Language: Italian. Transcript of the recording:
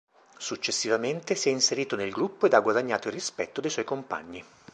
Successivamente, si è inserito nel gruppo ed ha guadagnato il rispetto dei suoi compagni.